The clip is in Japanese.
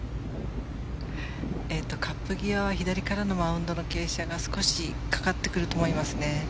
カップ際は左からのマウンドの傾斜が少しかかってくると思いますね。